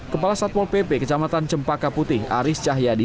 kepala satpol pp kecamatan cempaka putih aris cahyadi